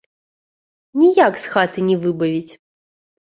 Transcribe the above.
Ніяк з хаты не выбавіць!